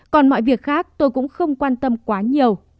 còn mọi việc khác tôi cũng không quan tâm quá nhiều